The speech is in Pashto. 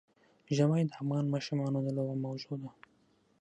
ژمی د افغان ماشومانو د لوبو موضوع ده.